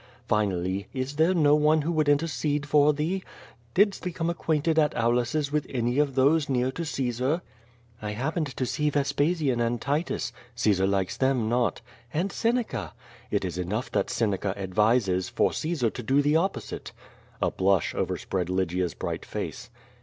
Final ly, is there no one who would intercede for thee? Didst be come acquainted at Aulus's with any of those near to Caesar?" QVO VADIS. 53 "I happened to see Vespasian and Titus/' "Caesar likes them not." "And Seneca." "It is enough that Seneca advises, for Caesar to do the op posite." A blush overspread Lygia's bright face.